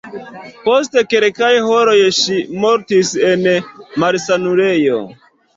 Post kelkaj horoj ŝi mortis en malsanulejo.